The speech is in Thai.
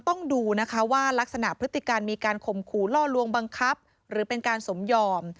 ต้องดูนะคะว่ารักษณพฤติการมีการข่มขู่ล่อลวงบังคับหรือเป็นการสมยอม